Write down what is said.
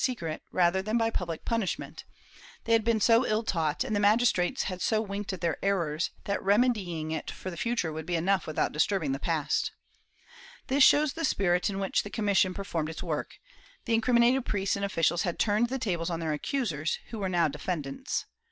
332 MORISCOS [Book VII] secret, rather than by public punishment; they had been so ill taught, and the magistrates had so winked at their errors, that remedying it for the future would be enough without disturbing the past.* This shows the spirit in which the commission per formed its work; the incriminated priests and officials had turned the tables on their accusers, who were now defendants.